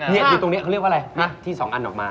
นี่นี่ตรงนี้เค้าเรียกว่าอะไรที่๒อันออกมา